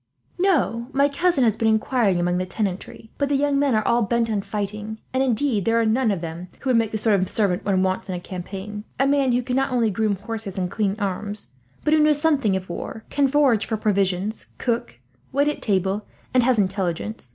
"No; my cousin has been inquiring among the tenantry, but the young men are all bent on fighting, and indeed there are none of them who would make the sort of servant one wants in a campaign a man who can not only groom horses and clean arms, but who knows something of war, can forage for provisions, cook, wait on table, and has intelligence.